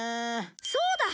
そうだ！